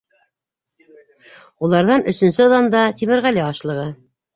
Уларҙан өсөнсө ыҙанда Тимерғәле ашлығы.